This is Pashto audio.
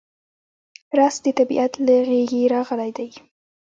رس د طبیعت له غېږې راغلی دی